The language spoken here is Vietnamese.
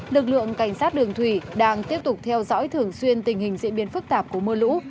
lực lượng cảnh sát đường thủy đang tiếp tục theo dõi thường xuyên tình hình diễn biến phức tạp của mưa lũ